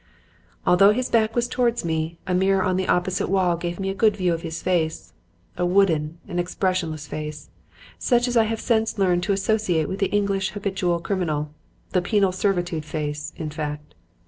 Although his back was towards me, a mirror on the opposite wall gave me a good view of his face; a wooden, expressionless face, such as I have since learned to associate with the English habitual criminal; the penal servitude face, in fact.